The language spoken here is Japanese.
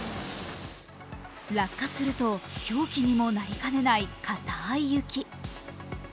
落下すると凶器にもなりかねないかたい雪。